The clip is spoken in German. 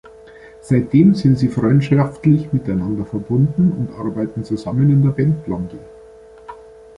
Seitdem sind sie freundschaftlich miteinander verbunden und arbeiten zusammen in der Band Blondie.